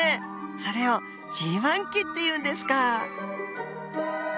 それをＧ期っていうんですか。